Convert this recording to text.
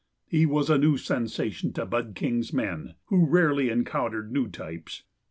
He was a new sensation to Bud King's men, who rarely encountered new types.